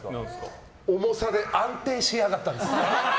重さで安定しやがったんです。